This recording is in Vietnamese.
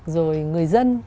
rồi người dân